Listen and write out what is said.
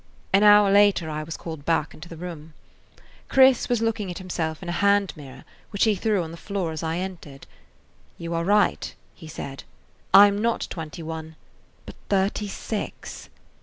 An hour later I was called back into the room. Chris was looking at himself in a hand mirror, which he threw on the floor as I entered. "You [Page 39] are right," he said; "I 'm not twenty one, but thirty six."